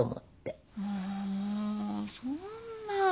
もそんな。